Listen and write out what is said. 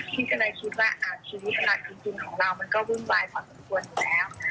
ที่ก็เลยคิดว่าชีวิตขนาดจริงของเรามันก็วื่นวายความสมควรแล้ว